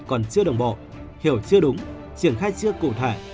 còn chưa đồng bộ hiểu chưa đúng triển khai chưa cụ thể